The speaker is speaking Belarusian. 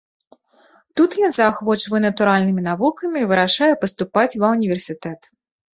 Тут ён заахвочвае натуральнымі навукамі і вырашае паступаць ва ўніверсітэт.